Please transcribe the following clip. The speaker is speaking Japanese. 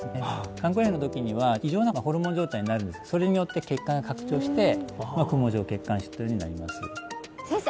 肝硬変の時には異常なホルモン状態になるんですけどそれによって血管が拡張してクモ状血管腫というのになります先生